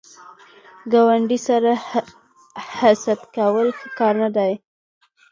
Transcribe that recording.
ګاونډي سره حسد کول ښه کار نه دی